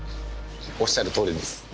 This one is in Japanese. おっしゃるとおりです。